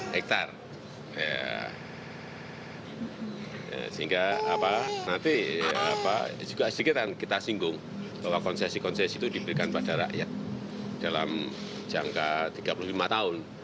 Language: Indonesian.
hektare sehingga nanti juga sedikit kita singgung bahwa konsesi konsesi itu diberikan pada rakyat dalam jangka tiga puluh lima tahun